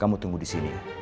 kamu tunggu disini ya